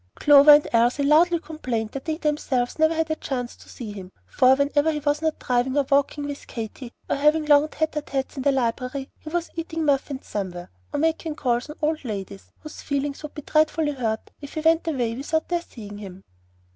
Clover and Elsie loudly complained that they themselves never had a chance to see him; for whenever he was not driving or walking with Katy, or having long tête à têtes in the library, he was eating muffins somewhere, or making calls on old ladies whose feelings would be dreadfully hurt if he went away without their seeing him.